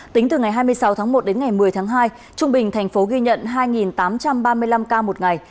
tính từ ngày hai mươi sáu tháng một đến ngày một mươi tháng hai trung bình thành phố ghi nhận hai tám trăm ba mươi năm ca một ngày